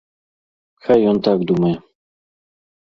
Хай ён так думае.